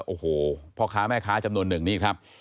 โอ้โหพ่อค้าแม่ค้าจำนวนหนึ่งนี่ครับ